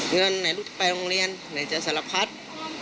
เงินไหนลูกไปโรงเรียนไหนจะสารพัด